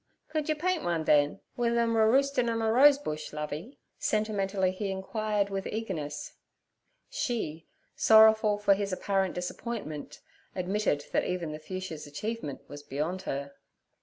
'Could you paint one, then, wi' them a roost in' on a rose bush, Lovey?' sentimentally he inquired with eagerness. She, sorrowful for his apparent disappointment, admitted that even The Fuchsia's achievement was beyond her.